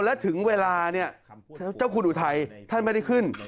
แล้วถึงเวลาเนี่ยเจ้าคุณอุทัยท่านไม่ได้ขึ้น